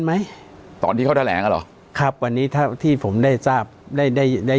ไหมตอนที่เขาแถลงอ่ะเหรอครับวันนี้ถ้าที่ผมได้ทราบได้ได้ได้